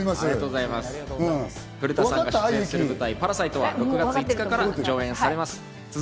古田さんが出演する舞台『パラサイト』は、６月５日から上演されます。